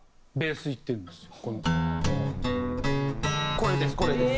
これですこれです。